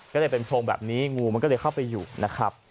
ก็เลยเป็นโพรงแบบนี้งูมันก็เลยเข้าไปอยู่นะครับ